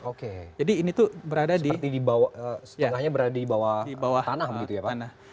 oke seperti di bawah setengahnya berada di bawah tanah begitu ya pak